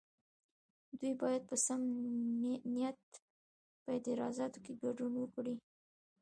دوی باید په سم نیت په اعتراضونو کې ګډون وکړي.